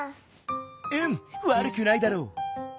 うんわるくないだろう。